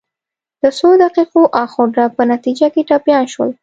د څو دقیقو اخ و ډب په نتیجه کې ټپیان شول.